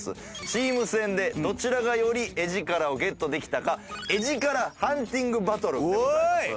チーム戦でどちらがよりエヂカラをゲットできたかエヂカラハンティングバトルでございます